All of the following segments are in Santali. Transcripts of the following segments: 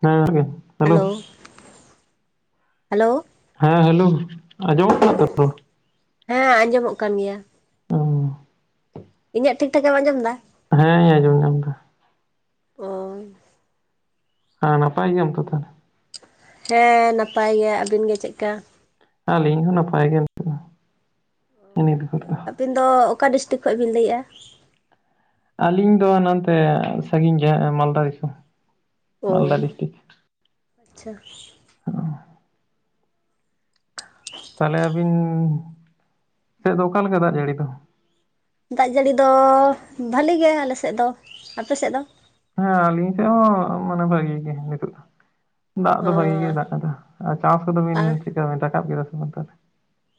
ᱦᱮᱸ ᱜᱚᱝᱠᱮ ᱾ Hello [inaudible] hello. ᱦᱮᱸ ᱦᱮᱞᱳ, ᱟᱸᱡᱚᱢᱚᱜ ᱠᱟᱱᱟ ᱛᱚ ᱨᱚᱲ? ᱦᱮᱸ ᱟᱸᱡᱚᱢᱚᱜ ᱠᱟᱱ [inaudible] ᱚᱸ ᱾ ᱤᱧᱟᱜ ᱴᱷᱤᱠ ᱴᱷᱟᱠᱮᱢ ᱟᱧᱡᱚᱢ ᱮᱫᱟ? ᱦᱮᱸ ᱤᱧ ᱟᱸᱡᱚᱢ ᱧᱟᱢ ᱮᱫᱟ ᱾ ᱚ ᱦᱮᱸ ᱱᱟᱯᱟᱭ ᱜᱮᱭᱟᱢ ᱛᱚ ᱛᱟᱦᱞᱮ? ᱦᱮᱸ ᱱᱟᱯᱟᱭ ᱜᱮᱭᱟ ᱟᱹᱵᱤᱱ ᱜᱮ ᱪᱮᱜᱠᱟ᱾ ᱟᱞᱤᱧ ᱦᱚᱸ ᱱᱟᱯᱟᱭ ᱜᱮ ᱱᱤᱛᱚᱜ ᱫᱚ᱾ ᱱᱤᱛᱵᱷᱩᱨ ᱫᱚ᱾ ᱟᱹᱵᱤᱱ ᱫᱚ ᱚᱠᱟ ᱰᱤᱥᱴᱤᱠ ᱠᱷᱚᱡ ᱵᱤᱱ ᱞᱟᱹᱭᱼᱟ? ᱟᱹᱞᱤᱧ ᱫᱚ ᱱᱟᱱᱛᱮ ᱥᱟᱺᱜᱤᱧ ᱜᱮ ᱮᱸ ᱢᱟᱞᱫᱟ ᱫᱤᱥᱚᱢ, ᱚ ᱢᱟᱞᱫᱟ ᱰᱤᱥᱴᱤᱠ᱾ ᱟᱪᱪᱷᱟ ᱚᱻ ᱛᱟᱦᱞᱮ ᱟᱹᱵᱤᱱ ᱥᱮᱫ ᱫᱚ ᱚᱠᱟ ᱞᱮᱠᱟ ᱫᱟᱜᱽ ᱡᱟᱲᱤ ᱫᱚ? ᱫᱟᱜ ᱡᱟᱹᱲᱤ ᱫᱚ ᱵᱷᱟᱞᱤ ᱜᱮ ᱟᱞᱮ ᱥᱮᱫ ᱫᱚ, ᱟᱯᱮ ᱥᱮᱫ ᱫᱚ? ᱦᱮᱸ ᱟᱹᱞᱤᱧ ᱥᱮᱫ ᱦᱚᱸ ᱢᱟᱱᱮ ᱵᱷᱟᱜᱤ ᱜᱮ ᱱᱤᱛᱚᱜ ᱫᱚ ᱾ ᱫᱟᱜ ᱚ ᱫᱚ ᱵᱷᱟᱜᱤ ᱜᱮᱭ ᱫᱟᱜ ᱠᱟᱫᱟ᱾ ᱟᱨ ᱪᱟᱥ ᱠᱚᱫᱚ ᱵᱤᱱ ᱟᱨ ᱪᱤᱠᱟᱹ ᱵᱤᱱ ᱨᱟᱠᱟᱵ ᱠᱮᱫᱟ ᱥᱮ ᱵᱟᱝ ᱛᱟᱦᱞᱮ?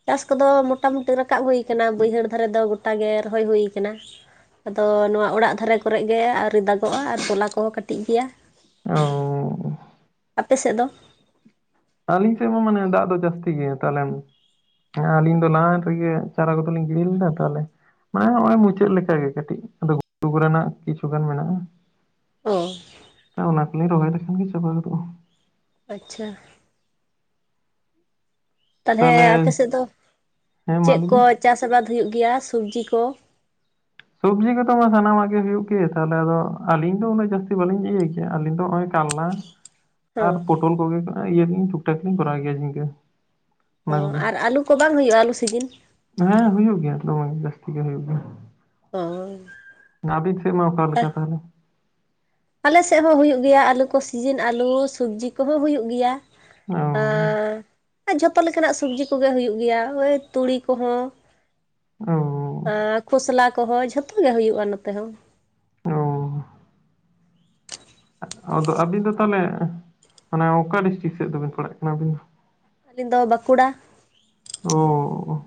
ᱪᱟᱥ ᱠᱚᱫᱚ ᱢᱚᱴᱟᱢᱩᱴᱤ ᱨᱟᱠᱟᱵ ᱦᱩᱭ ᱠᱟᱱᱟ ᱵᱟᱹᱭᱦᱟᱹᱲ ᱫᱷᱟᱨᱮ ᱫᱚ ᱜᱚᱴᱟᱜᱮ ᱨᱚᱦᱚᱭ ᱦᱩᱭ ᱠᱟᱱᱟ᱾ ᱟᱫᱚ ᱱᱚᱣᱟ ᱚᱲᱟᱜ ᱫᱷᱟᱨᱮ ᱠᱚᱨᱮᱜ ᱜᱮ ᱟᱹᱣᱨᱤ ᱫᱟᱜᱚᱜᱼᱟ, ᱟᱨ ᱛᱚᱞᱟ ᱠᱚᱦᱚ ᱠᱟᱹᱴᱤᱡ ᱜᱮᱭᱟ᱾ ᱚᱻ ᱟᱯᱮ ᱥᱮᱫ ᱫᱚ? ᱟᱹᱞᱤᱧ ᱥᱮᱫ ᱦᱚᱸ ᱢᱟᱱᱮ ᱫᱟᱜ ᱫᱚ ᱡᱟᱹᱥᱛᱤ ᱜᱮᱭᱟ ᱛᱟᱞᱮᱢ᱾ ᱦᱮᱸ ᱟᱞᱤᱧ ᱫᱚ ᱞᱟᱦᱟᱱ ᱨᱮᱜᱮ ᱪᱟᱨᱟ ᱠᱚᱫᱚᱞᱤᱧ ᱜᱤᱲᱤ ᱞᱮᱫᱟ ᱛᱟᱦᱞᱮ ᱢᱟᱱᱮ ᱦᱚᱜᱼᱚᱭ ᱢᱩᱪᱟᱹᱫ ᱞᱮᱠᱟᱜᱮ ᱠᱟᱹᱴᱤᱡ ᱟᱫᱚ ᱜᱷᱩᱴᱩ ᱠᱚᱨᱮᱱᱟᱜ ᱠᱤᱪᱷᱩ ᱜᱟᱱ ᱢᱮᱱᱟᱜᱼᱟ᱾ ᱚ ᱚᱱᱟ ᱠᱚᱞᱤᱧ ᱨᱚᱦᱚᱭ ᱞᱮᱠᱷᱟᱱ ᱜᱮ ᱪᱟᱵᱟ ᱜᱚᱫᱚᱜᱼᱟ᱾ ᱟᱪᱪᱷᱟ ᱛᱟᱦᱞᱮ ᱛᱟᱦᱚᱞᱮ ᱟᱯᱮ ᱥᱮᱫ ᱫᱚ ᱦᱮᱸ ᱢᱟ ᱪᱮᱫ ᱞᱟᱹᱭ ᱠᱚ ᱵᱤᱱ ᱪᱟᱥ ᱟᱵᱟᱫᱽ ᱦᱩᱭᱩᱜ ᱜᱮᱭᱟ ᱥᱚᱵᱽᱡᱤ ᱠᱚ? ᱥᱚᱵᱽᱡᱤ ᱠᱚᱫᱚ ᱥᱟᱱᱟᱢᱟᱜ ᱜᱮ ᱦᱩᱭᱩᱜ ᱜᱮ ᱛᱟᱦᱚᱞᱮ ᱟᱫᱚ ᱟᱹᱞᱤᱧ ᱫᱚ ᱩᱱᱟᱹᱜ ᱡᱟᱹᱥᱛᱤ ᱵᱟᱹᱞᱤᱧ ᱤᱭᱟᱹᱭ ᱜᱮᱭᱟ ᱟᱹᱞᱤᱧ ᱫᱚ ᱦᱚᱜᱼᱚᱭ ᱠᱟᱞᱞᱟ ᱦᱚᱸ ᱟᱨ ᱯᱚᱴᱚᱞ ᱠᱚᱜᱮ ᱠᱚ ᱤᱭᱟᱹ ᱨᱮᱞᱤᱧ ᱴᱷᱩᱠᱴᱟᱠ ᱞᱤᱧ ᱠᱚᱨᱟᱣ ᱜᱮᱭᱟ ᱡᱷᱤᱝᱜᱟᱹ᱾ ᱚ ᱟᱨ ᱟᱹᱞᱩ ᱠᱚ ᱵᱟᱝ ᱦᱩᱭᱩᱜᱼᱟ ᱟᱹᱞᱩ ᱥᱤᱡᱤᱱ? ᱦᱮᱸ ᱦᱩᱭᱩᱜ ᱜᱮᱭᱟ ᱫᱚᱢᱮ ᱡᱟᱹᱥᱛᱤ ᱜᱮ ᱦᱩᱭᱩᱜ ᱜᱮᱭᱟ᱾ ᱚᱸ ᱦᱳᱤ ᱟᱵᱤᱱ ᱥᱮᱜ ᱢᱟ ᱚᱠᱟᱞᱮᱠᱟ ᱛᱟᱦᱚᱞᱮ? ᱟᱞᱮ ᱥᱮᱜ ᱦᱚᱸ ᱦᱩᱭᱩᱜ ᱜᱮᱭᱟ ᱟᱹᱞᱩ ᱠᱚ ᱥᱤᱡᱤᱱ ᱟᱹᱞᱩ ᱥᱚᱵᱽᱡᱤ ᱠᱚᱦᱚᱸ ᱦᱩᱭᱩᱜ ᱜᱮᱭᱟ᱾ ᱚᱻ ᱟᱸ ᱡᱷᱚᱛᱚ ᱞᱮᱠᱟᱱᱟᱜ ᱥᱚᱵᱽᱡᱤ ᱠᱚᱜᱮ ᱦᱩᱭᱩᱜ ᱜᱮᱭᱟ ᱳᱭ ᱛᱩᱲᱤ ᱠᱚᱦᱚᱸ᱾ ᱚᱻ ᱟᱸᱻ ᱠᱷᱚᱥᱞᱟ ᱠᱚᱦᱚᱸ ᱡᱷᱚᱛᱚ ᱜᱮ ᱦᱩᱭᱩᱜ-ᱟ ᱱᱚᱛᱮ ᱦᱚᱸ᱾ ᱚᱻ ᱟᱫᱚ ᱟᱹᱵᱤᱱ ᱫᱚ ᱛᱟᱦᱞᱮ ᱢᱟᱱᱮ ᱚᱠᱟ ᱰᱤᱥᱴᱤᱠ ᱥᱮᱫ ᱫᱚᱵᱮᱱ ᱯᱟᱲᱟᱜ ᱠᱟᱱᱟ ᱟᱹᱵᱤᱱ ᱫᱚ? ᱟᱹᱞᱤᱧ ᱫᱚ ᱵᱟᱸᱠᱩᱲᱟ᱾ ᱚᱸ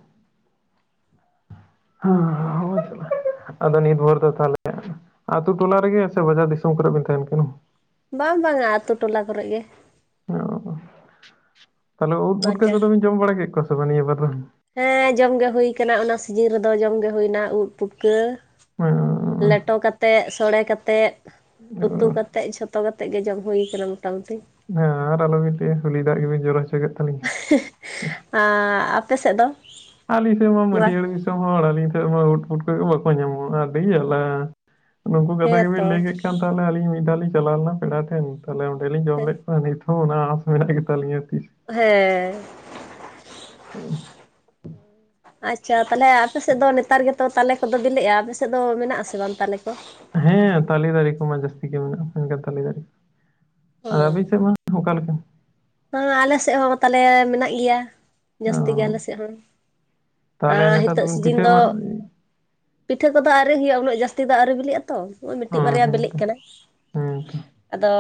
ᱦᱟᱸ ᱦᱚᱜᱚᱭ ᱪᱟᱞᱟ ᱟᱫᱚ ᱱᱤᱛ ᱵᱷᱳᱨ ᱫᱚ ᱛᱟᱦᱞᱮ ᱟᱹᱛᱩ ᱴᱚᱞᱟ ᱨᱮᱜᱮ ᱥᱮ ᱵᱟᱡᱟᱨ ᱫᱤᱥᱚᱢ ᱠᱚᱨᱮᱜ ᱵᱤᱱ ᱛᱟᱦᱮᱱ ᱠᱟᱱᱟ? ᱵᱟᱝ ᱵᱟᱝ ᱟ ᱟᱹᱛᱩ ᱴᱚᱞᱟ ᱠᱚᱨᱮᱜ ᱜᱮ᱾ ᱚ, ᱛᱟᱦᱚᱞᱮ ᱩᱫᱽ ᱯᱷᱩᱴᱠᱟᱹ ᱵᱟᱡᱟᱨ ᱠᱚᱫᱚ ᱵᱤᱱ ᱡᱚᱢ ᱵᱟᱲᱟ ᱠᱮᱫ ᱠᱚᱣᱟ ᱥᱮ ᱵᱟᱝ ᱱᱤᱭᱟᱹ ᱵᱟᱨ ᱫᱚ? ᱦᱮᱸ ᱡᱚᱢ ᱜᱮ ᱦᱩᱭ ᱠᱟᱱᱟ ᱚᱱᱟ ᱥᱤᱡᱤᱱ ᱨᱮᱫᱚ ᱡᱚᱢᱜᱮ ᱦᱩᱭᱱᱟ ᱩᱫᱽ ᱯᱩᱴᱠᱟᱹ ᱾ ᱞᱮᱴᱚ ᱠᱟᱛᱮᱫ, ᱥᱚᱲᱮ ᱠᱟᱛᱮᱫ, ᱩᱛᱩ ᱠᱟ ᱛᱮᱫ ᱡᱷᱚᱛᱚ ᱠᱟᱛᱮᱜ ᱜᱮ ᱡᱚᱢ ᱦᱩᱭ ᱠᱟᱱᱟ ᱢᱚᱴᱟᱢᱩᱴᱤ᱾ ᱦᱮᱸ ᱟᱨ ᱟᱞᱚᱵᱤᱱ ᱞᱟᱹᱭᱟ, ᱩᱞᱤ ᱫᱟᱜ ᱜᱮᱵᱤᱱ ᱡᱚᱨᱚ ᱦᱚᱪᱚ ᱠᱮᱫ ᱛᱟᱸᱞᱤᱧᱟ ᱾ ᱦᱮᱸᱻ ᱟᱸ ᱟᱯᱮ ᱥᱮᱫ ᱫᱚ? ᱟᱹᱞᱤᱧ ᱥᱮᱫ ᱢᱟ ᱱᱚᱣᱟ ᱢᱟᱹᱴᱤᱭᱟᱹᱲ ᱫᱤᱥᱚᱢ ᱦᱚᱲ ᱟᱞᱤᱧ ᱥᱮᱫ ᱢᱟ ᱩᱫᱽ ᱯᱷᱩᱴᱠᱟᱹ ᱵᱟᱠᱚ ᱧᱟᱢᱚᱜᱼᱟ ᱟᱹᱰᱤ ᱡᱟᱞᱟ᱾ ᱩᱱᱠᱩ ᱠᱟᱛᱷᱟ ᱦᱮᱸᱛᱚ ᱜᱮᱵᱮᱱ ᱞᱟᱹᱭ ᱠᱮᱫ ᱠᱷᱟᱱ ᱛᱟᱦᱞᱮ ᱟᱹᱞᱤᱧ ᱢᱤᱫ ᱫᱷᱟᱣ ᱞᱤᱧ ᱪᱟᱞᱟᱣ ᱞᱮᱱᱟ ᱯᱮᱲᱟ ᱴᱷᱮᱱ᱾ ᱛᱟᱦᱞᱮ ᱚᱸᱰᱮᱞᱤᱧ ᱡᱚᱢ ᱞᱮᱫ ᱠᱚᱣᱟ ᱱᱤᱛ ᱦᱚᱸ ᱚᱱᱟ ᱟᱥ ᱢᱮᱱᱟᱜ ᱜᱮᱛᱟᱞᱩᱧᱟᱹ ᱛᱤᱥ ᱦᱮᱸ᱾ [inaudible] ᱟᱪᱪᱷᱟ ᱛᱟᱦᱚᱞᱮ ᱟᱯᱮ ᱥᱮᱫ ᱫᱚ ᱱᱮᱛᱟᱨ ᱜᱮᱛᱚ ᱛᱟᱞᱮ ᱠᱚᱫᱚ ᱵᱤᱞᱤᱜᱼᱟ᱾ ᱟᱯᱮ ᱥᱮᱫ ᱫᱚ ᱢᱮᱱᱟᱜ ᱟᱥᱮ ᱵᱟᱝ ᱛᱟᱞᱮ ᱠᱚ? ᱦᱮᱸ ᱛᱟᱞᱮ ᱫᱟᱨᱮ ᱠᱚᱢᱟ ᱡᱟᱹᱥᱛᱤ ᱜᱮ ᱢᱮᱱᱟᱜᱼᱟ᱾ ᱢᱮᱱᱠᱷᱟᱱ ᱛᱟᱞᱮ ᱫᱟᱨᱮ ᱟᱨ ᱟᱹᱵᱤᱱ ᱥᱮᱫ ᱢᱟ ᱚᱠᱟᱞᱮᱠᱟ? ᱦᱟᱸ ᱟᱞᱮ ᱥᱮᱫ ᱦᱚᱸ ᱛᱟᱞᱮ ᱢᱮᱱᱟᱜ ᱜᱮᱭᱟ᱾ ᱚ ᱡᱟᱹᱥᱛᱤ ᱜᱮ ᱟᱞᱮ ᱥᱮᱫ ᱦᱚᱸ᱾ ᱛᱟᱦᱚᱞᱮ ᱟᱸ ᱱᱮᱛᱟᱨ ᱦᱤᱛᱚᱜ ᱫᱚᱵᱤᱱ ᱥᱤᱡᱤᱱ ᱯᱤᱴᱷᱟᱹ ᱫᱚ ᱢᱟ ᱯᱤᱴᱷᱟᱹ ᱠᱚᱫᱚ ᱟᱣᱨᱤ ᱦᱩᱭᱩᱜᱼᱟ, ᱩᱱᱟᱹᱜ ᱡᱟᱹᱥᱛᱤ ᱫᱚ ᱟᱣᱨᱤ ᱵᱤᱞᱤᱜᱼᱟ᱾ ᱛᱚ ᱱᱚᱜ-ᱚᱭ ᱚ ᱢᱤᱫᱴᱤᱡ ᱵᱟᱨᱭᱟ ᱦᱮᱸ ᱵᱤᱞᱤᱜ ᱛᱚ ᱠᱟᱱᱟ᱾ ᱦᱮᱸ ᱛᱚ ᱟᱫᱚ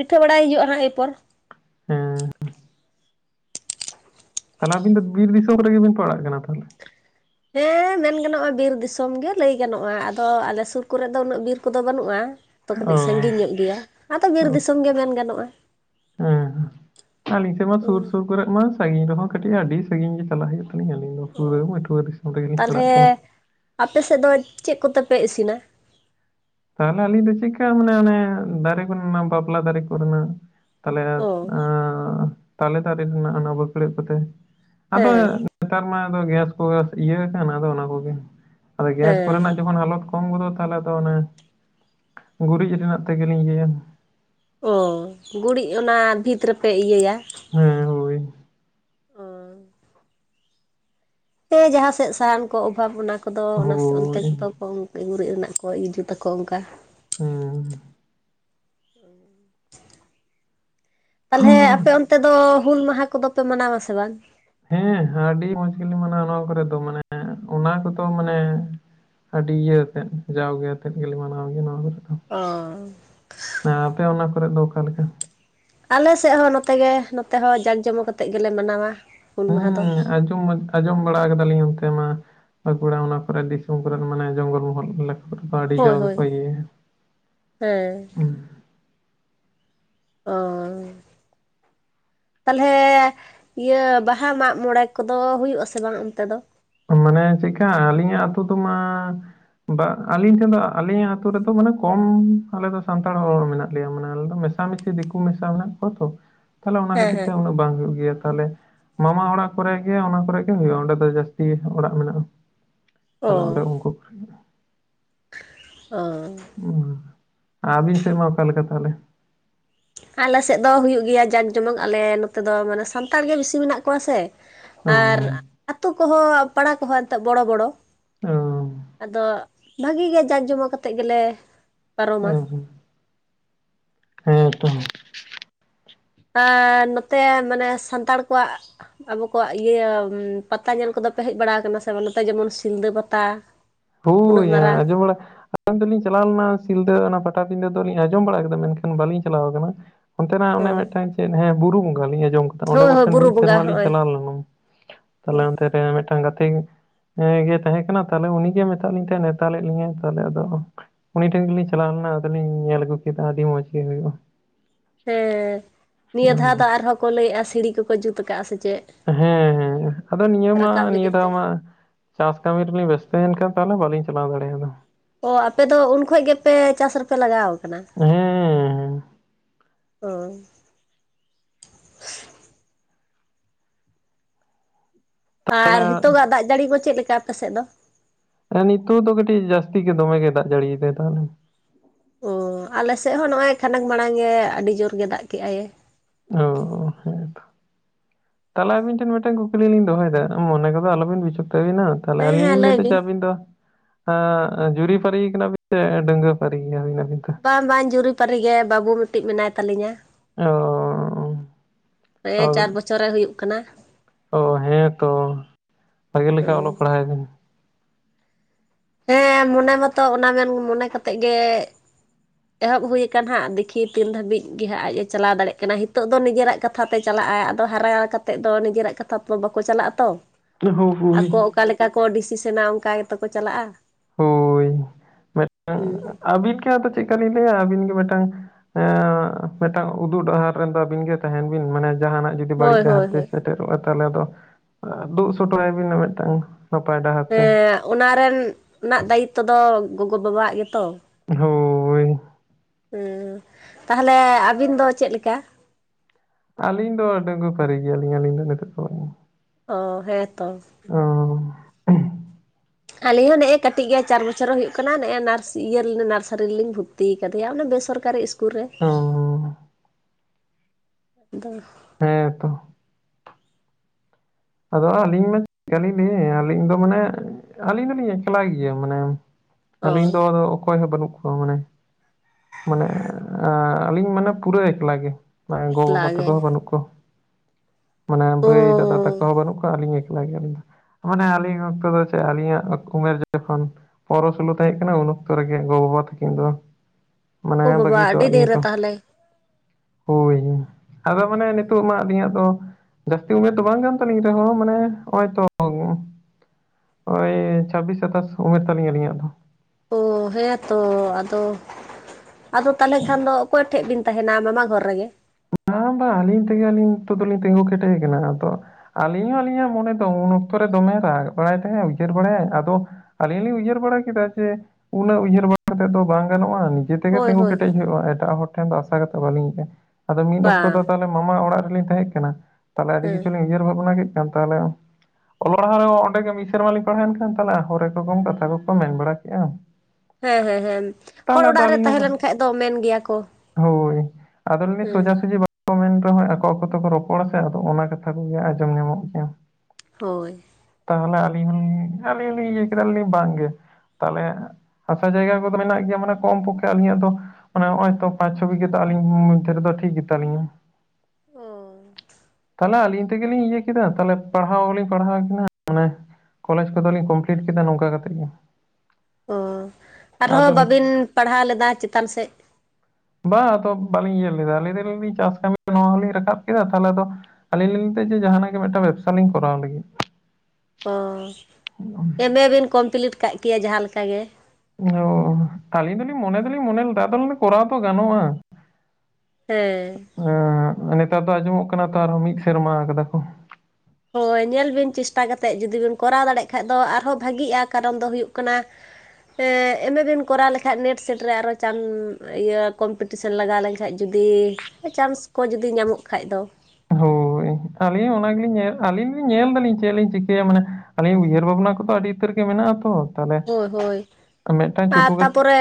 ᱯᱤᱴᱷᱟᱹ ᱵᱟᱲᱟᱭ ᱦᱩᱭᱩᱜᱼᱟ ᱱᱟᱦᱟᱸᱜ ᱮᱭᱯᱚᱨ᱾ ᱦᱮᱸ᱾ ᱛᱟᱦᱚᱞᱮ ᱟᱵᱤᱱ ᱫᱚ ᱵᱤᱨ ᱫᱤᱥᱚᱢ ᱠᱚᱨᱮ ᱜᱮᱵᱤᱱ ᱯᱟᱲᱟᱜ ᱠᱟᱱᱟ ᱛᱟᱦᱚᱞᱮ? ᱦᱮᱸ ᱢᱮᱱ ᱜᱟᱱᱚᱜᱼᱟ ᱵᱤᱨ ᱫᱤᱥᱚᱢ ᱜᱮ ᱞᱟᱹᱭ ᱜᱟᱱᱚᱜᱼᱟ᱾ ᱟᱫᱚ ᱟᱞᱮ ᱥᱩᱨ ᱠᱚᱨᱮᱜ ᱫᱚ ᱩᱱᱟᱹᱜ ᱵᱤᱨ ᱠᱚᱫᱚ ᱵᱟᱹᱱᱩᱜᱼᱟ᱾ ᱛᱚ ᱚ ᱠᱟᱹᱴᱤᱡ ᱥᱟᱺᱜᱤᱧ ᱧᱚᱜ ᱜᱮᱭᱟ᱾ ᱟᱫᱚ ᱵᱤᱨ ᱚ ᱫᱤᱥᱚᱢ ᱜᱮ ᱢᱮᱱ ᱜᱟᱱᱚᱜᱼᱟ᱾ ᱦᱮᱸ᱾ ᱟᱹᱞᱤᱧ ᱥᱮᱫ ᱢᱟ ᱥᱩᱨ ᱥᱩᱨ ᱠᱚᱨᱮᱫ ᱢᱟ ᱥᱟᱺᱜᱤᱧ ᱨᱮᱦᱚᱸ ᱠᱟᱹᱴᱤᱡ ᱟᱹᱰᱤ ᱥᱟᱺᱜᱤᱧ ᱜᱮ ᱪᱟᱞᱟᱜ ᱦᱩᱭᱩᱜ ᱛᱟᱞᱤᱧᱟ ᱟᱹᱞᱤᱧ᱾ ᱟᱫᱚ ᱯᱩᱨᱟᱹ ᱢᱟᱹᱴᱷᱣᱟᱹ ᱫᱤᱥᱚᱢ ᱨᱮᱜᱮᱞᱤᱧ ᱯᱟᱲᱟᱜ ᱠᱟᱱᱟ᱾ ᱛᱟᱞᱦᱮ ᱟᱯᱮ ᱥᱮᱫ ᱫᱚ ᱪᱮᱫ ᱠᱚᱛᱮ ᱯᱮ ᱤᱥᱤᱱᱟ? ᱛᱟᱦᱚᱞᱮ ᱟᱹᱞᱤᱧ ᱫᱚ ᱪᱤᱫᱠᱟ ᱢᱟᱱᱮ ᱚᱱᱮ ᱫᱟᱨᱮ ᱠᱚᱨᱮᱱᱟ ᱵᱟᱯᱞᱟ ᱫᱟᱨᱮ ᱠᱚᱨᱮᱱᱟᱜ ᱛᱟᱞᱮᱭᱟᱜ ᱚ ᱟᱸ ᱛᱟᱞᱮ ᱫᱟᱨᱮ ᱨᱮᱱᱟᱜ ᱚᱱᱟ ᱵᱟᱹᱠᱲᱟᱹ ᱠᱚᱛᱮ, ᱟᱫᱚ ᱦᱮᱸ ᱱᱮᱛᱟᱨ ᱢᱟ ᱟᱫᱚ ᱜᱮᱥ ᱠᱚᱜᱮ ᱤᱭᱟᱹᱣ ᱠᱟᱱ ᱟᱫᱚ ᱚᱱᱟ ᱠᱚᱜᱮ, ᱟᱫᱚ ᱜᱮᱥ ᱦᱮᱸ ᱠᱚᱨᱮᱱᱟᱜ ᱡᱚᱠᱷᱚᱱ ᱦᱟᱞᱚᱛ ᱠᱚᱢ ᱜᱚᱫᱚᱼᱟ ᱛᱟᱦᱚᱞᱮ ᱟᱫᱚ ᱚᱱᱮ ᱜᱩᱨᱤᱡ ᱨᱮᱱᱟᱜ ᱛᱮᱜᱮ ᱞᱤᱧ ᱤᱭᱟᱹᱭᱟ᱾ ᱚ ᱜᱩᱨᱤᱡ ᱚᱱᱟ ᱵᱷᱤᱛ ᱨᱮᱯᱮ ᱤᱭᱟᱹᱭᱟ᱾ ᱦᱮᱸ ᱦᱳᱭ᱾ ᱚ ᱦᱮᱸ ᱡᱟᱦᱟᱸ ᱥᱮᱫ ᱥᱟᱦᱟᱱ ᱠᱚ ᱚᱵᱷᱟᱵᱽ ᱚᱱᱟ ᱠᱚᱫᱚ ᱚᱱᱟ ᱚᱱᱛᱮ ᱦᱳᱭ ᱠᱚᱫᱚ ᱠᱚᱝ ᱮᱛᱮᱜ ᱜᱩᱨᱤᱡ ᱨᱮᱱᱟᱜ ᱠᱚ ᱤᱭ ᱡᱩᱛᱟᱠᱚ ᱚᱱᱠᱟ᱾ ᱦᱩᱸ ᱛᱟᱞᱦᱮ ᱟᱯᱮ ᱚᱱᱛᱮ ᱫᱚ ᱦᱩᱞ ᱢᱟᱦᱟ ᱠᱚᱫᱚ ᱯᱮ ᱢᱟᱱᱟᱣᱟ ᱥᱮ ᱵᱟᱝ? ᱦᱮᱸ ᱟᱹᱰᱤ ᱢᱚᱸᱡᱽ ᱜᱮᱞᱮ ᱢᱟᱱᱟᱣᱟ ᱱᱚᱶᱟ ᱠᱚᱨᱮ ᱫᱚ, ᱢᱟᱱᱮ ᱚᱱᱟ ᱠᱚᱫᱚ ᱢᱟᱱᱮ ᱟᱹᱰᱤ ᱤᱭᱟᱹᱣᱟᱛᱮᱫ ᱡᱟᱣ ᱜᱮ ᱟᱛᱮᱫ ᱜᱮᱞᱤ ᱢᱟᱱᱟᱣ ᱜᱮᱭᱟ ᱱᱚᱣᱟ ᱠᱚᱨᱮ ᱫᱚ᱾ ᱚ᱾ ᱦᱮᱸ ᱟᱯᱮ ᱚᱱᱟ ᱠᱚᱨᱮ ᱫᱚ ᱚᱠᱟᱞᱮᱠᱟ? ᱟᱞᱮ ᱥᱮᱫ ᱦᱚᱸ ᱱᱚᱛᱮ ᱜᱮ ᱱᱚᱛᱮ ᱦᱚᱸ ᱡᱟᱸᱠ ᱡᱚᱢᱚᱠ ᱠᱟᱛᱮᱫ ᱜᱮᱞᱮ ᱢᱟᱱᱟᱣᱟ ᱦᱩᱞ ᱢᱟᱦᱟ ᱫᱚ᱾ ᱡᱚᱢ ᱟᱸᱡᱚᱢ ᱵᱟᱲᱟᱣ ᱠᱟᱫᱟᱞᱤᱧ ᱚᱱᱛᱮ ᱢᱟ ᱵᱟᱸᱠᱩᱲᱟ ᱚᱱᱟ ᱠᱚᱨᱮ ᱫᱤᱥᱚᱢ ᱠᱚᱨᱮᱫ ᱢᱟᱱᱮ ᱡᱚᱝᱜᱚᱞ ᱢᱚᱦᱚᱞ ᱮᱞᱟᱠ ᱟᱰᱤ ᱦᱳᱭ ᱡᱟᱣ ᱦᱳᱭ ᱜᱮᱠᱚᱭ ᱜᱮᱭᱟ ᱦᱮᱸ ᱦᱩᱸ᱾ ᱦᱳᱭ᱾ ᱛᱟᱞᱦᱮ ᱤᱭᱟᱹ ᱵᱟᱦᱟ ᱢᱟᱜᱽ ᱢᱚᱬᱮ ᱠᱚᱫᱚ ᱦᱩᱭᱩᱜ ᱟᱥᱮ ᱵᱟᱝ ᱚᱱᱛᱮ ᱫᱚ? ᱢᱟᱱᱮ ᱪᱮᱫᱠᱟ ᱟᱹᱞᱤᱧᱟᱜ ᱟᱹᱛᱩ ᱫᱚ ᱢᱟ ᱵᱟ ᱟᱹᱞᱤᱧ ᱴᱷᱮᱱ ᱫᱚ ᱟᱞᱤᱧᱟᱜ ᱟᱛᱩ ᱨᱮᱫᱚ ᱢᱟᱱᱮ ᱠᱚᱢ ᱟᱞᱮ ᱫᱚ ᱥᱟᱱᱛᱟᱲ ᱦᱚᱲ ᱢᱮᱱᱟᱜ ᱞᱮᱭᱟ, ᱢᱟᱱᱮ ᱟᱞᱮ ᱫᱚ ᱢᱮ ᱥᱟ ᱢᱮᱤᱥ ᱫᱤᱠᱩ ᱢᱮᱥᱟ ᱢᱮᱱᱟ ᱠᱚᱣᱟ ᱛᱚ᱾ ᱛᱟᱞᱦᱮ ᱚᱱᱟ ᱦᱮᱸ ᱠᱷᱟᱹᱛᱤᱨ ᱛᱮ ᱦᱮᱸ ᱩᱱᱟᱹᱜ ᱵᱟᱝ ᱦᱩᱭᱩᱜᱳ ᱜᱮᱭᱟ ᱛᱟᱦᱚᱞᱮ ᱢᱟᱢᱟ ᱚᱲᱟᱜ ᱠᱚᱨᱮ ᱜᱮ ᱚᱱᱟ ᱠᱚᱨᱮ ᱜᱮ ᱦᱩᱭᱩᱜᱼᱟ, ᱚᱸᱰᱮ ᱫᱚ ᱡᱟᱹᱥ ᱛᱮᱜᱮ ᱱᱥᱦᱟᱜ ᱚᱲᱟᱜ ᱢᱮᱱᱟᱜᱼᱟ᱾ ᱛᱟᱦᱚᱞᱮ ᱚᱸᱰᱮ ᱚ ᱩᱱᱠᱩ ᱚ᱾ ᱟᱹᱵᱤᱱ ᱥᱮᱫ ᱢᱟ ᱚᱠᱟ ᱞᱮᱠᱟ ᱛᱟᱦᱚᱞᱮ? ᱟᱞᱮᱥᱮᱫ ᱫᱚ ᱦᱩᱭᱩᱜ ᱜᱮᱭᱟ ᱡᱟᱠ ᱡᱚᱢᱚᱠ ᱟᱞᱮ ᱱᱚᱛᱮ ᱫᱚ ᱢᱟᱱᱮ ᱥᱟᱱᱛᱟᱲ ᱜᱮ ᱵᱮᱥᱤ ᱢᱮᱱᱟᱜ ᱠᱚᱣᱟ ᱥᱮ᱾ ᱚ ᱟᱨ ᱟᱛᱳ ᱠᱚᱦᱚᱸ ᱯᱟᱲᱟ ᱠᱚᱦᱚᱸ ᱮᱱᱛᱮᱫ ᱵᱚᱲᱚ ᱵᱚᱲᱚ᱾ ᱚ ᱟᱫᱚ ᱵᱷᱟᱜᱮ ᱜᱮ ᱡᱟᱠᱼᱡᱚᱢᱚᱠ ᱠᱟᱛᱮ ᱜᱮᱞᱮ ᱯᱟᱨᱚᱢᱟ᱾ ᱦᱩᱸ ᱦᱩᱸ ᱦᱮᱸ ᱛᱚ, ᱮᱸ ᱱᱚᱛᱮ ᱢᱟᱱᱮ ᱥᱟᱱᱛᱟᱲ ᱠᱚᱣᱟᱜ ᱟᱵᱚ ᱠᱚᱣᱟᱜ ᱤᱭᱟᱹ ᱯᱟᱛᱟ ᱧᱮᱞ ᱠᱚᱫᱚ ᱯᱮ ᱦᱮᱡᱽ ᱵᱟᱲᱟ ᱠᱟᱱᱟ ᱥᱮ ᱵᱟᱝ? ᱱᱚᱛᱮ ᱡᱮᱢᱚᱱ ᱥᱤᱞᱫᱟᱹ ᱯᱟᱛᱟ᱾ [unintelligible] ᱦᱳᱭ ᱩᱱᱟᱹᱜ ᱭᱟ ᱢᱟᱨᱟᱝ ᱟᱸᱡᱚᱢ ᱵᱟᱲᱟ ᱚᱸᱰᱮ ᱫᱚᱞᱤᱧ ᱪᱟᱞᱟᱣ ᱞᱮᱱᱟ ᱥᱤᱞᱫᱟᱹ ᱚᱱᱟ ᱯᱟᱴᱟᱵᱤᱸᱫᱟᱹ ᱫᱚᱞᱤᱧ ᱟᱸᱡᱚᱢ ᱵᱟᱲᱟ ᱟᱠᱟᱫᱟ ᱢᱮᱱᱠᱷᱟᱱ ᱵᱟᱞᱤᱧ ᱪᱟᱞᱟᱣ ᱠᱟᱱᱟ᱾ ᱚᱱᱛᱮᱱᱟᱜ ᱚ ᱚᱱᱮ ᱢᱤᱫᱴᱟᱝ ᱪᱮᱫ ᱦᱮᱸ ᱵᱩᱨᱩ ᱵᱚᱸᱜᱟ ᱞᱤᱧ ᱟᱸᱡᱚᱢ ᱠᱟᱫᱟ ᱚᱸᱰᱮ ᱦᱳᱭ ᱦᱳᱭ ᱵᱚᱨᱥᱮᱱ ᱵᱩᱨᱩ ᱢᱤᱫ ᱵᱚᱸᱜᱟ ᱥᱮᱨᱢᱟ ᱞᱤᱧ ᱦᱚᱸᱜᱼᱚᱭ ᱪᱟᱞᱟᱣ ᱞᱮᱱᱟ᱾ ᱛᱟᱦᱞᱮ ᱚᱱᱛᱮᱨᱮ ᱢᱮᱜᱴᱟᱝ ᱜᱟᱛᱮ ᱜᱮ ᱮᱸᱻ ᱤᱭᱟᱹ ᱛᱟᱦᱮᱸ ᱠᱟᱱᱟ ᱛᱟᱦᱞᱮ ᱩᱱᱤ ᱤᱭᱟᱹ ᱢᱮᱛᱟᱜ ᱞᱤᱧ ᱛᱟᱦᱮᱸᱫ ᱱᱮᱶᱛᱟ ᱞᱮᱫ ᱞᱤᱧᱟᱭ, ᱛᱟᱦᱞᱮ ᱟᱫᱚ ᱩᱱᱤ ᱴᱷᱮᱱ ᱜᱮᱞᱤᱧ ᱪᱟᱞᱟᱣ ᱞᱮᱱᱟ ᱟᱫᱚᱞᱤᱧ ᱧᱮᱞ ᱟᱜᱩ ᱠᱮᱫᱟ, ᱟᱰᱤ ᱢᱚᱸᱡᱽ ᱜᱮ ᱦᱩᱭᱩᱜᱼᱟ᱾ ᱦᱮᱸ ᱱᱤᱭᱟᱹ ᱫᱷᱟᱣ ᱫᱚ ᱟᱨᱦᱚᱸ ᱠᱚ ᱞᱟᱹᱭᱮᱜᱼᱟ ᱥᱤᱸᱲᱤ ᱠᱚᱠᱚ ᱡᱩᱛ ᱠᱟᱜᱼᱟ ᱥᱮ ᱪᱮᱫ? ᱦᱮᱸ ᱦᱮᱸ ᱟᱫᱚ ᱱᱤᱭᱟᱹ ᱢᱟ ᱨᱟᱠᱟᱵ ᱱᱤᱭᱟᱹ ᱞᱟᱹᱜᱤᱫ ᱫᱷᱟᱣ ᱛᱮ ᱢᱟ ᱪᱟᱥ ᱠᱟᱹᱢᱤ ᱨᱮᱞᱤᱧ ᱵᱮᱥᱛᱚᱭᱮᱱ ᱠᱷᱟᱱ ᱛᱟᱦᱞᱮ ᱵᱟᱞᱤᱧ ᱪᱟᱞᱟᱣ ᱫᱟᱲᱮ ᱟᱫᱟ᱾ ᱚ ᱟᱯᱮ ᱫᱚ ᱩᱱ ᱠᱷᱚᱡ ᱜᱮᱯᱮ ᱪᱟᱥ ᱨᱮᱯᱮ ᱞᱟᱜᱟᱣ ᱠᱟᱱᱟ? ᱦᱮᱸ ᱦᱳᱭ᱾ ᱟᱨ ᱦᱤᱛᱚᱜᱟᱜ ᱛᱟᱦᱚᱞᱮ ᱫᱟᱜ ᱡᱟᱹᱲᱤ ᱠᱚ ᱪᱮᱫ ᱞᱮᱠᱟ ᱟᱯᱮ ᱥᱮᱫ ᱫᱚ? ᱟᱨ ᱱᱤᱛᱚᱜ ᱫᱚ ᱠᱟᱹᱴᱤᱡᱽ ᱡᱟᱹᱥᱛᱤ ᱜᱮ ᱫᱚᱢᱮ ᱜᱮ ᱫᱟᱜ ᱡᱟᱹᱲᱤ ᱮᱫᱟᱭ ᱛᱟᱦᱞᱮ᱾ ᱳ ᱟᱞᱮ ᱥᱮᱜ ᱦᱚᱸ ᱱᱚᱜᱼᱚᱭ ᱠᱷᱟᱱᱮᱠ ᱢᱟᱲᱟᱝ ᱜᱮ ᱟᱹᱰᱤ ᱡᱳᱨ ᱜᱮ ᱫᱟᱜ ᱠᱮᱜᱼᱟᱭ᱾ ᱳᱻ ᱦᱮᱸᱛᱚ ᱛᱟᱦᱞᱮ ᱟᱹᱵᱤᱱ ᱴᱷᱮᱱ ᱢᱤᱫᱴᱮᱱ ᱠᱩᱠᱞᱤ ᱞᱤᱧ ᱫᱚᱦᱚᱭᱮᱫᱟ ᱢᱚᱱᱮ ᱠᱚᱫᱚ ᱟᱞᱚᱵᱤᱱ ᱵᱤᱪᱩᱠ ᱛᱟᱵᱤᱱᱟ᱾ ᱛᱟᱞᱦᱮ ᱦᱮᱸ ᱦᱮᱸ ᱟᱞᱤᱧᱞᱤᱧ ᱞᱟᱹᱭ ᱫᱟ ᱡᱮ ᱵᱤᱱ ᱟᱹᱵᱤᱱ ᱫᱚ᱾ ᱟᱸᱻᱜ ᱡᱩᱨᱤ ᱯᱟᱹᱨᱤ ᱠᱟᱱᱟ ᱵᱤᱱ ᱥᱮ ᱰᱟᱹᱝᱜᱽᱣᱟᱹ ᱯᱟᱹᱨᱤ ᱜᱮᱭᱟ ᱵᱤᱱ ᱟᱵᱤᱱ ᱫᱚ? ᱵᱟᱝ ᱵᱟᱝ ᱡᱩᱨᱤ ᱯᱟᱹᱨᱤ ᱜᱮ ᱵᱟᱵᱩ ᱢᱤᱫᱴᱤᱡ ᱢᱮᱱᱟᱭ ᱛᱟᱞᱤᱧᱟ᱾ ᱚᱻ ᱱᱮ ᱪᱟᱨ ᱵᱚᱪᱷᱚᱨᱮ ᱦᱩᱭᱩᱜ ᱠᱟᱱᱟ᱾ ᱚᱻ ᱦᱮᱸ ᱛᱚ ᱵᱷᱟᱜᱮ ᱞᱮᱠᱟ ᱚᱞᱚᱜ ᱯᱟᱲᱦᱟᱣ ᱮ ᱵᱤᱱ᱾ ᱦᱮᱸ ᱢᱚᱱᱮ ᱢᱟᱛᱚ ᱚᱱᱟ ᱜᱮ ᱢᱚᱱᱮ ᱠᱟᱛᱮ ᱜᱮ ᱮᱦᱚᱵᱽ ᱦᱩᱭ ᱟᱠᱟᱱᱟ ᱦᱟᱸᱜ ᱫᱤᱠᱷᱤ ᱛᱤᱱ ᱫᱷᱟᱹᱵᱤᱡᱽ ᱜᱮ ᱦᱟᱸᱜ ᱟᱡ ᱮ ᱪᱟᱞᱟᱣ ᱫᱟᱲᱮᱭᱟᱜ ᱠᱟᱱᱟ, ᱦᱤᱛᱚᱜ ᱫᱚ ᱱᱤᱡᱮᱨᱟᱜ ᱠᱟ ᱛᱷᱟ ᱛᱮ ᱪᱟᱞᱟᱜ ᱟᱭ ᱟᱫᱚ ᱦᱟᱨᱟ ᱠᱟᱛᱮᱫ ᱫᱚ ᱱᱤᱡᱮᱨᱟᱜ ᱠᱟᱛᱷᱟ ᱛᱚ ᱵᱟᱠᱚ ᱪᱟᱞᱟᱜᱼᱟ ᱛᱚ᱾ ᱟᱠᱚ [unintelligible] ᱚᱠᱟ ᱞᱮᱠᱟ ᱠᱚ ᱰᱤᱥᱤᱥᱮᱱᱟ ᱚᱝᱠᱟ ᱜᱮᱛᱚ ᱠᱚ ᱪᱟᱞᱟᱜᱼᱟ, ᱦᱳᱭ, ᱢᱮᱫᱴᱟᱝ ᱦᱩᱸ ᱟᱹᱵᱤᱱ ᱜᱮ ᱟᱫᱚ ᱪᱮᱫ ᱠᱟ ᱞᱤᱧ ᱞᱮᱹᱭᱟ? ᱟᱵᱤᱱ ᱜᱮ ᱢᱤᱫᱴᱟᱝ ᱦᱮᱸ ᱢᱮᱫᱴᱟᱝ ᱩᱫᱩᱜ ᱰᱟᱦᱟᱨ ᱨᱮᱱ ᱫᱚ ᱟᱹᱵᱤᱱ ᱜᱮ ᱛᱟᱦᱮᱸᱱ ᱵᱤᱱ, ᱢᱟᱱᱮ ᱡᱟᱦᱱᱟᱜ ᱡᱩᱫ ᱵᱟᱹᱲᱤᱡᱽ ᱦᱳᱭ ᱰᱟᱦᱟᱨ ᱦᱳᱭ ᱛᱮ ᱦᱳᱭ ᱥᱮᱴᱮᱨᱚᱜᱼᱟ ᱛᱟᱦᱞᱮ ᱟᱫᱚ, ᱫᱩᱜ ᱥᱳᱛᱳᱜᱼᱟᱭ ᱵᱤᱱ ᱢᱮᱜᱴᱟᱝ᱾ ᱱᱟᱯᱟᱭ ᱰᱟᱦᱟᱨ ᱛᱮ᱾ ᱦᱮᱸ ᱚᱱᱟ ᱨᱮᱱ ᱱᱟᱜ ᱫᱟᱭᱤᱛᱛᱚ ᱫᱚ ᱜᱚᱜᱚ-ᱵᱟᱵᱟ ᱟᱜ ᱜᱮᱛᱚ᱾ ᱦᱳ ᱩᱸᱻ ᱛᱟᱦᱞᱮ ᱟᱹᱵᱤᱱ ᱫᱚ ᱪᱮᱜ ᱞᱮᱠᱟ? ᱟᱞᱤᱧ ᱫᱚ ᱰᱟᱹᱝᱜᱽᱣᱟᱹ ᱯᱟᱹᱨᱤ ᱜᱮᱭᱟᱞᱤᱧ ᱟᱞᱤᱧ ᱫᱚ ᱱᱤᱛᱚᱜ ᱫᱚ᱾ ᱚᱻ ᱦᱮᱸᱛᱚ᱾ ᱚᱻ ᱟᱹᱞᱤᱧ ᱦᱚᱸ ᱱᱮᱜᱼᱮ ᱠᱟᱴᱤᱡ ᱜᱮᱭᱟᱭ ᱪᱟᱨ ᱵᱚᱪᱷᱚᱨ ᱦᱩᱭᱩᱜ ᱠᱟᱱᱟ ᱱᱮᱜᱼᱮ ᱱᱟᱨᱥ ᱤᱭᱟᱹᱨ ᱱᱟᱨᱥᱟᱨᱤ ᱨᱮᱞᱤᱧ ᱵᱷᱩᱛ ᱛᱤ ᱠᱟᱫᱮᱭᱟ ᱚᱱᱮ ᱵᱮᱥᱚᱨᱠᱟᱨᱤ ᱤᱥᱠᱩᱞ ᱨᱮ ᱾ ᱦᱩᱸ᱾ ᱟᱫᱚ ᱦᱮᱸ ᱛᱚ ᱾ ᱟᱫᱚ ᱟᱞᱤᱧ ᱢᱟ [unintelligible] ᱟᱞᱤᱧ ᱫᱚ ᱢᱟᱱᱮ ᱟᱞᱤᱧ ᱫᱚᱞᱤᱧ ᱮᱠᱞᱟ ᱜᱮᱭᱟ ᱢᱟᱱᱮ ᱚ ᱟᱞᱤᱧ ᱫᱚ ᱚᱠᱚᱭ ᱦᱚᱸ ᱵᱟᱱᱩᱜ ᱚᱢᱟᱱᱮ ᱢᱟᱱᱮ ᱟᱻᱟᱞᱤᱧ ᱢᱟᱱᱮ ᱯᱩᱨᱟᱹ ᱮᱠᱞᱟ ᱜᱮ ᱾ ᱢᱟ ᱜᱚ ᱮᱠᱞᱟ ᱵᱟᱵᱟ ᱜᱮ ᱛᱟᱠᱚ ᱦᱚᱸ ᱵᱟᱱᱩᱜ ᱠᱚᱣᱟ ᱾ ᱢᱟᱱᱮ ᱚ ᱵᱷᱟᱹᱭ ᱫᱟᱫᱟ ᱛᱟᱠᱚ ᱦᱚᱸ ᱵᱟᱱᱩᱜ ᱠᱚᱣᱟ ᱾ ᱟᱹᱞᱤᱧ ᱮ ᱚᱱᱟ ᱜᱮ ᱟᱞᱤᱧ ᱫᱚ ᱾ ᱚᱱᱮ ᱟᱞᱤᱧ ᱚᱠᱛᱚ ᱫᱚ ᱪᱮᱜ ᱟᱞᱤᱧᱟᱜ ᱩᱢᱮᱨ ᱡᱚᱠᱷᱚᱱ ᱯᱚᱱᱨᱚ ᱥᱳᱞᱞᱳ ᱛᱟᱦᱮᱸᱜ ᱠᱟᱱᱟ ᱩᱱ ᱚᱠᱛᱚ ᱨᱮᱜᱮ ᱜᱚ ᱵᱟᱵᱟ ᱛᱟᱹᱠᱤᱱ ᱫᱚ ᱢᱟᱱᱮ ᱚ ᱵᱟᱵᱟ ᱵᱟᱹᱜᱤ ᱟᱹᱰᱤ ᱦᱚᱴᱚᱣᱟᱜ ᱫᱤᱱ ᱞᱤᱧᱟ ᱨᱮ ᱠᱚ ᱛᱟᱦᱚᱞᱮ ᱾ ᱦᱳᱭ ᱟᱫᱚ ᱢᱟᱱᱮ ᱱᱤᱛᱳᱜ ᱢᱟ ᱟᱹᱞᱤᱧᱟᱜ ᱫᱚ ᱡᱟᱹᱥᱛᱤ ᱩᱢᱮᱨ ᱫᱚ ᱵᱟᱝ ᱠᱟᱱ ᱛᱟᱞᱤᱧ ᱨᱮᱦᱚᱸ ᱢᱟᱱᱮ ᱦᱚᱜ-ᱚᱭᱛᱚ ᱳᱭ ᱪᱷᱟᱵᱵᱤᱥ ᱥᱟᱛᱟᱥ ᱩᱢᱮᱨ ᱛᱟᱹᱞᱤᱧ ᱟᱹᱞᱤᱧᱟᱜ ᱫᱚ᱾ ᱚ ᱦᱮᱸ ᱛᱚ ᱟᱫᱚ ᱟᱫᱚ ᱛᱟᱦᱚᱞᱮ ᱠᱷᱟᱱ ᱫᱚ ᱚᱠᱚᱭ ᱴᱷᱮᱡ ᱵᱤᱱ ᱛᱟᱦᱮᱱᱟ ᱢᱟᱢᱟ ᱜᱷᱚᱨ ᱨᱮᱜᱮ? ᱵᱟᱝ ᱵᱟᱝ ᱟᱹᱞᱤᱧ ᱛᱮᱜᱮ ᱟᱹᱞᱤᱧ ᱱᱤᱛᱚᱜ ᱫᱚᱞᱤᱧ ᱛᱤᱸᱜᱩ ᱠᱮᱴᱮᱡ ᱟᱠᱟᱱᱟ ᱛᱚ ᱟᱹᱞᱤᱧ ᱦᱚᱸ ᱟᱹᱞᱤᱧᱟᱜ ᱢᱚᱱᱮ ᱫᱚ ᱩᱱ ᱚᱠᱛᱚ ᱨᱮ ᱫᱚᱢᱮ ᱨᱟᱜᱽ ᱵᱟᱲᱟᱭ ᱛᱟᱦᱮᱸ ᱩᱭᱦᱟᱹᱨ ᱵᱟᱲᱟᱭᱟᱭ ᱟᱫᱚ ᱟᱹᱞᱤᱧ ᱞᱤᱧ ᱩᱭᱦᱟᱹᱨ ᱵᱟᱲᱟ ᱠᱮᱫᱟ ᱡᱮ ᱩᱱᱟᱹᱜ ᱩᱭᱦᱟᱹᱨ ᱵᱟᱲᱟ ᱠᱟᱛᱮᱫ ᱫᱚ ᱵᱟᱝ ᱜᱟᱱᱚᱜᱼᱟ ᱱᱤᱡᱮ ᱛᱮᱜᱮ ᱦᱳᱭ ᱛᱤᱸᱜᱩ ᱦᱳᱭ ᱠᱮᱴᱮᱡ ᱦᱩᱭᱩᱜᱼᱟ ᱮᱴᱟᱜ ᱦᱚᱲ ᱴᱷᱮᱱ ᱫᱚ ᱟᱥᱟ ᱠᱟᱛᱮ ᱵᱟᱞᱤᱧ [unintelligible] ᱟᱫᱚ ᱢᱤᱫ ᱚᱠᱛᱚ ᱫᱚ ᱵᱟᱝ ᱛᱮ ᱢᱟᱢᱟ ᱚᱲᱟᱜ ᱨᱮᱞᱤᱧ ᱛᱟᱦᱮᱸᱜ ᱠᱟᱱᱟ ᱛᱟᱦᱚᱞᱮ ᱟᱹᱰᱤ ᱦᱮᱸ ᱠᱤᱪᱷᱩᱞ ᱞᱤᱧ ᱩᱭᱦᱟᱹᱨ ᱵᱷᱟᱵᱽᱱᱟ ᱠᱮᱜ ᱠᱟᱱ ᱛᱟᱦᱚᱞᱮ ᱚᱞ ᱯᱟᱲᱦᱟᱣ ᱨᱮᱦᱚᱸ ᱚᱸᱰᱮ ᱜᱮ ᱢᱤᱫ ᱥᱮᱨᱢᱟ ᱞᱤᱧ ᱠᱚ ᱛᱟᱦᱮᱱ ᱠᱷᱟᱱ ᱛᱟᱦᱚᱞᱮ ᱦᱚᱨᱮᱠ ᱨᱚᱠᱚᱢ ᱠᱟᱛᱷᱟ ᱠᱚᱠᱚ ᱢᱮᱱ ᱵᱟᱲᱟ ᱠᱮᱜ-ᱟ ᱾ [inaudible] ᱦᱮᱸ ᱦᱮᱸ ᱦᱮᱸ ᱦᱚᱲ ᱚᱲᱟᱜ ᱨᱮ ᱛᱟᱦᱮᱸ ᱞᱮᱱ ᱠᱷᱟᱡ ᱫᱚ ᱢᱮᱱ ᱜᱮᱭᱟ ᱠᱚ ᱾ ᱦᱳᱭ ᱟᱫᱚ ᱟᱞᱤᱧ ᱥᱚᱡᱟ ᱥᱩᱡᱤ ᱠᱚ ᱢᱮᱱ ᱨᱮᱦᱚᱸ ᱟᱠᱚ ᱟᱠᱚ ᱛᱮᱠᱚ ᱨᱚᱯᱚᱲᱟ ᱥᱮ ᱟᱫᱚ ᱚᱱᱟ ᱠᱟᱛᱷᱟ ᱠᱚᱜᱮ ᱟᱸᱡᱚᱢ ᱧᱟᱢᱚᱜ ᱜᱮᱭᱟ ᱾ ᱦᱳᱭ ᱛᱟᱦᱚᱞᱮ ᱟᱹᱞᱤᱧ ᱟᱹᱞᱤᱧ ᱦᱚᱸᱞᱤᱧ ᱤᱭᱟᱹ ᱠᱮᱫᱟᱞᱤᱧ ᱵᱟᱝᱜᱮ ᱛᱟᱦᱚᱞᱮ ᱦᱟᱥᱟ ᱡᱟᱭᱜᱟ ᱠᱚᱫᱚ ᱢᱮᱱᱟᱜ ᱜᱮᱭᱟ ᱢᱟᱱᱮ ᱠᱚᱢ ᱯᱚᱠᱠᱷᱮ ᱟᱹᱞᱤᱧᱟᱜ ᱫᱚ ᱢᱟᱱᱮ ᱱᱚᱜᱼᱚᱭ ᱛᱚ ᱯᱟᱸᱪ ᱪᱷᱚ ᱵᱤᱜᱷᱟᱹ ᱟᱹᱞᱤᱧ ᱴᱷᱮᱜ ᱨᱮᱫᱚ ᱴᱷᱤᱠ ᱜᱮᱛᱟᱞᱤᱧᱟ᱾ ᱚ ᱛᱟᱦᱚᱞᱮ ᱟᱹᱞᱤᱧ ᱛᱮᱜᱮᱞᱤᱧ ᱤᱭᱟᱹ ᱠᱮᱫᱟ ᱛᱟᱦᱚᱞᱮ ᱯᱟᱲᱦᱟᱣ ᱵᱟᱞᱤᱧ ᱯᱟᱲᱦᱟᱣ ᱠᱟᱱᱟ ᱢᱟᱱᱮ ᱠᱚᱞᱮᱡᱽ ᱠᱚᱫᱚᱞᱤᱧ ᱠᱚᱢᱯᱞᱤᱴ ᱠᱮᱫᱟ ᱱᱚᱝᱠᱟ ᱠᱟᱛᱮᱜ ᱜᱮ ᱾ ᱚ ᱟᱨᱦᱚᱸ ᱱᱤᱛ ᱵᱟᱹᱵᱤᱱ ᱯᱟᱲᱦᱟᱣ ᱞᱮᱫᱟ ᱪᱮᱛᱟᱱ ᱥᱮᱜ ᱾ ᱵᱟᱝ ᱟᱫᱚ ᱵᱟᱹᱞᱤᱧ ᱤᱭᱟᱹ ᱞᱮᱫᱟ ᱞᱮᱭ ᱫᱟᱹᱞᱤᱧ ᱫᱚ ᱪᱟᱥ ᱠᱟᱹᱢᱤ ᱱᱚᱣᱟ ᱦᱚ ᱞᱤᱧ ᱨᱟᱠᱟᱵ ᱠᱮᱫᱟ ᱛᱟᱦᱚᱞᱮ ᱫᱚ ᱟᱹᱞᱤᱧ ᱞᱤᱧ ᱞᱟᱹᱭᱫᱟ ᱡᱮ ᱡᱟᱦᱟᱱᱟᱜ ᱜᱮ ᱢᱮᱫᱴᱟᱝ ᱵᱮᱵᱥᱟ ᱞᱤᱧ ᱠᱚᱨᱟᱣ ᱞᱟᱹᱜᱤᱫ᱾ ᱚ ᱮᱢᱮ ᱵᱤᱱ ᱠᱚᱢᱯᱞᱤᱴ ᱠᱟᱜ ᱠᱮᱭᱟ ᱡᱟᱦᱟᱸ ᱞᱮᱠᱟ ᱜᱮ ᱾ ᱚ ᱟᱹᱞᱤᱧ ᱫᱚᱞᱤᱧ ᱢᱚᱱᱮ ᱫᱚᱞᱤᱧ ᱢᱚᱱᱮ ᱞᱮᱫᱟ ᱛᱟᱦᱚᱞᱮ ᱠᱚᱨᱟᱣ ᱛᱚ ᱜᱟᱱᱚᱜᱼᱟ᱾ ᱦᱮᱸ ᱮ ᱱᱮᱛᱟᱨ ᱫᱚ ᱟᱸᱡᱚᱢᱚᱜ ᱠᱟᱱᱟ ᱛᱚ ᱟᱨᱦᱚᱸ ᱢᱤᱫ ᱥᱮᱨᱢᱟ ᱠᱟᱫᱟ ᱠᱚ᱾ ᱦᱳᱭ ᱧᱮᱞ ᱵᱤᱱ ᱪᱮᱥᱴᱟ ᱠᱟᱛᱮᱜ ᱡᱩᱫᱤ ᱵᱤᱱ ᱠᱚᱨᱟᱣ ᱫᱟᱲᱮᱭᱟᱜ ᱠᱷᱟᱡ ᱫᱚ ᱟᱨᱦᱚᱸ ᱵᱷᱟᱹᱜᱤᱜᱼᱟ ᱠᱟᱨᱚᱱ ᱫᱚ ᱦᱩᱭᱩᱜ ᱠᱟᱱᱟ ᱮ ᱮᱢᱮ ᱵᱮᱱ ᱠᱚᱨᱟᱣ ᱞᱮᱠᱷᱟᱡ ᱱᱮᱴ ᱥᱮᱴ ᱨᱮ ᱟᱨᱚ ᱪᱟᱱ ᱤᱭᱟᱹ ᱠᱚᱢᱯᱤᱴ ᱯᱤᱴᱤᱥᱮᱱ ᱞᱟᱜᱟᱣ ᱞᱮᱱ ᱠᱷᱟᱡ ᱡᱩᱫᱤ ᱪᱟᱱᱥ ᱠᱚ ᱡᱩᱫᱤ ᱧᱟᱢᱚᱜ ᱠᱷᱟᱡ ᱫᱚ ᱦᱳᱭ [inaudible] ᱟᱹᱞᱤᱧ ᱦᱚᱸ ᱚᱱᱟ ᱜᱮᱞᱤᱧ ᱧᱮ ᱟᱹᱞᱤᱧ ᱞᱤᱧ ᱧᱮᱞ ᱫᱟᱞᱤᱧ ᱪᱮᱫ ᱞᱤᱧ ᱪᱤᱠᱟᱹᱭᱟ ᱢᱟᱱᱮ ᱟᱹᱞᱤᱧ ᱩᱭᱦᱟᱹᱨ ᱵᱷᱟᱵᱽᱱᱟ ᱠᱚᱫᱚ ᱟᱹᱰᱤ ᱩᱛᱟᱹᱨ ᱜᱮ ᱢᱮᱱᱟᱜᱼᱟ ᱛᱚ᱾ ᱛᱟᱦᱚᱞᱮ ᱦᱳᱭ ᱦᱳᱭ, ᱢᱤᱫᱴᱟᱝ ᱪᱷᱩᱴᱩ ᱟᱨ ᱠᱷᱟᱴ ᱛᱟᱯᱚᱨᱮ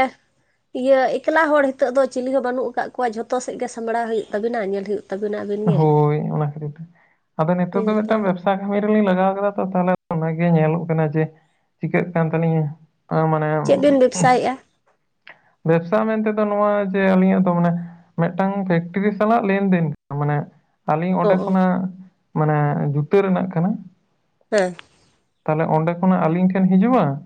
ᱤᱭᱟᱹ ᱮᱠᱞᱟ ᱦᱚᱲ ᱦᱮᱛᱳᱜ ᱫᱚ ᱪᱤᱞᱤ ᱦᱚᱸ ᱵᱟᱹᱱᱩᱜ ᱠᱟᱜ ᱠᱚᱣᱟ ᱡᱷᱚᱛᱚ ᱥᱮᱫ ᱜᱮ ᱥᱟᱢᱵᱲᱟᱣ ᱦᱩᱭᱩᱜ ᱛᱟᱵᱤᱱᱟ ᱧᱮᱞ ᱦᱩᱭᱩᱜ ᱛᱟᱵᱤᱱᱟ ᱟᱹᱵᱤᱱ ᱜᱮ ᱦᱳᱭ ᱚᱱᱟ ᱠᱷᱟᱹᱛᱤᱨ ᱛᱮ, ᱟᱫᱚ ᱱᱤᱛᱚᱜ ᱫᱚ ᱦᱮᱸᱛᱚ ᱢᱤᱫᱴᱟᱝ ᱵᱮᱵᱥ ᱥᱟ ᱠᱟᱹᱢᱤ ᱨᱮᱞᱤᱧ ᱞᱟᱜᱟᱣ ᱠᱟᱫᱟᱢ ᱛᱚ ᱛᱟᱦᱚᱞᱮ ᱚᱱᱟᱜᱮ ᱧᱮᱞᱚᱜ ᱠᱟᱱᱟ ᱡᱮ, ᱪᱤᱠᱟᱹᱜ ᱠᱟᱱ ᱛᱟᱞᱤᱧᱟ᱾ ᱱᱮᱴ, ᱪᱮᱫ ᱵᱤᱱ ᱵᱮᱵᱥᱟᱭᱮᱫᱼᱟ ᱵᱮᱵᱽᱥᱟ ᱢᱮᱱ ᱛᱮᱫᱚ ᱱᱚᱣᱟ ᱡᱮ ᱟᱹᱞᱤᱧᱟᱜ ᱫᱚ ᱢᱟᱱᱮ ᱢᱤᱫᱴᱟᱝ ᱯᱷᱮᱠᱴᱨᱤ ᱥᱟᱞᱟᱜ ᱞᱮᱱᱫᱮᱱ᱾ ᱢᱟᱱᱮ ᱟᱹᱞᱤᱧ ᱚ ᱚᱸᱰᱮ ᱚ ᱠᱷᱚᱱᱟᱜ ᱢᱟᱱᱮ ᱡᱩᱛᱟᱹ ᱨᱮᱱᱟᱜ ᱠᱟᱱᱟ᱾ ᱦᱮᱸ᱾ ᱛᱟᱦᱞᱮ ᱚᱸᱰᱮ ᱠᱷᱚᱱᱟᱜ ᱟᱞᱤᱧ ᱴᱷᱮᱱ ᱦᱤᱡᱩᱜᱼᱟ,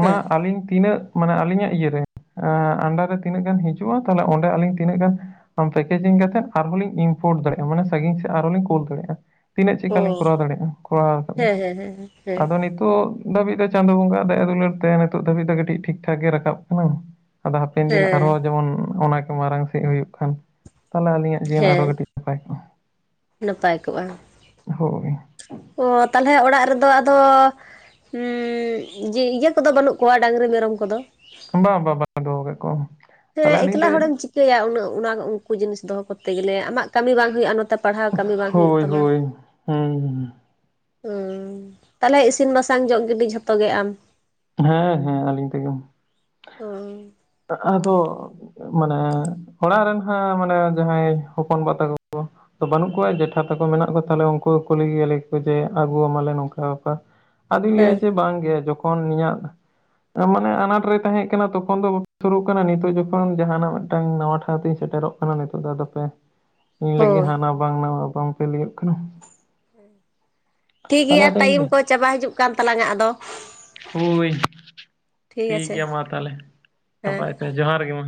ᱦᱮᱸ ᱟᱞᱤᱧ ᱛᱤᱱᱟᱹᱜ ᱢᱟᱱᱮ ᱟᱹᱞᱤᱧᱟᱜ ᱤᱭᱟᱹ ᱨᱮ ᱮᱸ ᱟᱱᱰᱟᱨ ᱨᱮ ᱛᱤᱱᱟᱹᱜ ᱜᱟᱱ ᱦᱤᱡᱩᱜᱼᱟ ᱛᱟᱦᱚᱞᱮ ᱚᱸᱰᱮ ᱟᱹᱞᱤᱧ ᱛᱤᱱᱟᱹᱜ ᱜᱟᱱ ᱟᱢ ᱯᱮᱠᱮᱡᱤᱝ ᱠᱟᱛᱮᱜ ᱟᱨᱦᱚᱸ ᱞᱤᱧ ᱤᱢᱯᱳᱨᱴ ᱫᱟᱲᱮᱜᱼᱟ ᱢᱟᱱᱮ ᱥᱟᱺᱜᱤᱧ ᱥᱮᱫ ᱟᱨᱦᱚᱸ ᱞᱤᱧ ᱠᱳᱞ ᱫᱟᱲᱮᱭᱟᱜᱼᱟ᱾ ᱛᱤᱱᱟᱹᱜ ᱚ ᱪᱮᱫᱠᱟ ᱞᱤᱧ ᱠᱚᱨᱟᱣ ᱫᱟᱲᱮᱜᱼᱟ ᱠᱚᱨᱟᱣ ᱠᱟᱜ-ᱟ, ᱦᱮᱸ ᱦᱮᱸ ᱦᱮᱸ ᱦᱮᱸ ᱟᱫᱚ ᱱᱤᱛ ᱛᱳᱜ ᱫᱷᱟᱹᱵᱤᱡ ᱫᱚ ᱪᱟᱸᱫᱳ ᱵᱚᱸᱜᱟ-ᱟᱜ ᱫᱟᱭᱟ ᱫᱩᱞᱟᱹᱲ ᱛᱮ ᱱᱤᱛᱚᱜ ᱫᱷᱟᱹᱵᱤᱡ ᱫᱚ ᱠᱟᱹᱴᱤᱡ ᱴᱷᱤᱠ ᱴᱷᱟᱠ ᱜᱮ ᱨᱟᱠᱟᱵ ᱠᱟᱱᱟ᱾ ᱟᱫᱚ ᱦᱟᱯᱮᱱ ᱫᱤᱱ ᱦᱮᱸ ᱟᱨᱦᱚᱸ ᱡᱮᱢᱚᱱ ᱚᱱᱟ ᱜᱮ ᱢᱟᱨᱟᱝ ᱥᱮᱫ ᱦᱩᱭᱩᱜ ᱠᱷᱟᱱ ᱛᱟᱞᱦᱮ ᱟᱹᱞᱤᱧᱟᱜ [inaudible] ᱦᱮᱸ ᱟᱨᱦᱚᱸ ᱠᱟᱹᱴᱤᱡ ᱱᱟᱯᱟᱭ ᱠᱚᱜ-ᱟ, ᱱᱟᱯᱟᱭ ᱠᱚᱜᱼᱟ ᱦᱳᱭ᱾ ᱚ ᱛᱟᱞᱦᱮ ᱚᱲᱟᱜ ᱨᱮᱫᱚ ᱟᱫᱚ ᱩᱸ ᱡᱮ ᱤᱡᱟᱹ ᱠᱚᱫᱚ ᱵᱟᱹᱱᱩᱜ ᱠᱚᱣᱟ ᱰᱟᱝᱨᱤ ᱢᱮᱨᱚᱢ ᱠᱚᱫᱚ? ᱵᱟᱝ ᱵᱟᱝ [inaudible] ᱫᱚᱦᱚ ᱠᱚᱜ ᱠᱚᱣᱭᱟ᱾ ᱦᱮᱸ ᱮᱠᱞᱟ ᱦᱚᱲᱮᱢ ᱪᱤᱠᱟᱹᱭᱟ ᱩᱱᱟᱹᱜ ᱚᱱᱟᱜᱚᱜ ᱩᱱᱠᱩ ᱡᱤᱱᱤᱥ ᱫᱚᱦᱚ ᱠᱚᱛᱛᱮ ᱜᱮᱞᱮ ᱟᱢᱟᱜ ᱠᱟᱹᱢᱤ ᱵᱟᱝ ᱦᱩᱭᱩᱜᱼᱟ ᱱᱚᱛᱮ ᱯᱟᱲᱦᱟᱣ ᱠᱟᱹᱢᱤ ᱵᱟᱝ ᱦᱩᱭᱩᱜ ᱦᱳᱭ ᱛᱟᱢᱟ᱾ ᱦᱳᱭ ᱦᱩᱸ ᱩᱸ ᱛᱟᱞᱦᱮ ᱤᱥᱤᱱ ᱵᱟᱥᱟᱝ ᱡᱚᱜ ᱜᱤᱰᱤ ᱡᱷᱚᱛᱚ ᱜᱮ ᱟᱢ? ᱦᱮᱸ ᱦᱮᱸ ᱟᱹᱞᱤᱧ ᱛᱮᱜᱮ, ᱚ ᱟᱜ ᱟᱫᱚ ᱢᱟᱱᱮ ᱚᱲᱟᱜ ᱨᱮᱱ ᱦᱟᱸᱜ ᱢᱟᱱᱮ ᱡᱟᱦᱟᱸᱭ ᱦᱚᱯᱚᱱ ᱵᱟ ᱛᱟᱠᱚ ᱠᱚ ᱫᱚ ᱵᱟᱹᱱᱩᱜ ᱠᱚᱣᱟ ᱡᱮᱴᱷᱟ ᱛᱟᱠᱚ ᱢᱮᱱᱟᱜ ᱠᱚ ᱛᱟᱞᱦᱮ ᱩᱱᱠᱩ ᱠᱚ ᱠᱩᱞᱤ ᱜᱮᱭᱟ ᱞᱟᱹᱭ ᱟᱠᱚ ᱡᱮ ᱟᱹᱜᱩ ᱟᱢᱟᱞᱮ ᱱᱚᱝᱠᱟ ᱵᱮᱯᱟᱨ᱾ ᱟᱫᱩᱧ ᱞᱟᱹᱭᱟ ᱦᱮᱸ ᱡᱮ ᱵᱟᱝ ᱜᱮ ᱡᱚᱠᱷᱚᱱ ᱤᱧᱟᱹᱜ ᱟ ᱢᱟᱱᱮ ᱟᱱᱟᱴ ᱨᱮ ᱛᱟᱦᱮᱜᱸ ᱠᱟᱱᱟ ᱛᱚᱠᱷᱚᱱ ᱫᱚ [inaudible] ᱥᱩᱨᱩᱜ ᱠᱟᱱᱟ ᱱᱤᱛᱚᱜ ᱡᱚᱠᱷᱚᱱ ᱡᱟᱦᱟᱱᱟᱜ ᱢᱤᱫᱴᱟᱝ ᱱᱟᱣᱟ ᱴᱷᱟᱶ ᱛᱤᱧ ᱥᱮᱴᱮᱨᱚᱜ ᱠᱟᱱᱟ ᱱᱤᱛᱚᱜ ᱫᱚ ᱟᱫᱚᱯᱮ, ᱤᱧ ᱞᱟᱹᱜᱤᱫ ᱦᱳᱭ ᱦᱟᱱᱟ ᱵᱟᱝ ᱱᱟᱣᱟ ᱵᱟᱝᱯᱮ ᱞᱟᱹᱭᱚᱜ ᱠᱟᱱᱟ᱾ ᱦᱩᱸ ᱴᱷᱤᱠ ᱛᱟᱦᱚᱞᱮ ᱜᱮᱭᱟ ᱟᱫᱚ ᱤᱧ ᱴᱟᱭᱤᱢ ᱫᱚ ᱠᱚ ᱪᱟᱵᱟ ᱦᱤᱡᱩᱜ ᱠᱟᱱ ᱛᱟᱞᱟᱝᱟ ᱟᱫᱚ᱾ ᱦᱳᱭ ᱴᱷᱤᱠ ᱜᱮᱭᱟ ᱢᱟ ᱛᱟᱦᱞᱮ, ᱦᱮᱸ ᱱᱟᱯᱟᱭ ᱛᱮ ᱡᱚᱸᱦᱟᱨ ᱜᱮ ᱢᱟ᱾